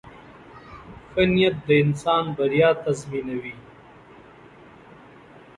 • ښه نیت د انسان بریا تضمینوي.